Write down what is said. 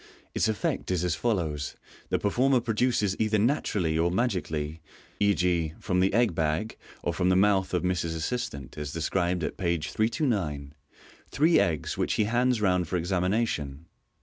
Its effect is as follows: The performer produces either naturally or magically (e.g,, from the egg bag, or from the mouth of Ms assistant, as described at page 329) three eggs, which he hands round for examination.